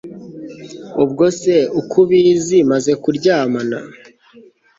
ubwo se uko ubizi maze kuryamana